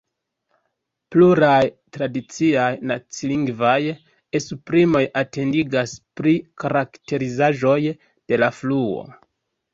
Pluraj tradiciaj nacilingvaj esprimoj atentigas pri karakterizaĵoj de la fluo.